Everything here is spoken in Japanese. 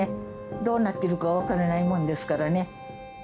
どうなってるかわからないもんですからね。